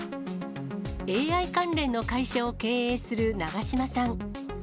ＡＩ関連の会社を経営する長島さん。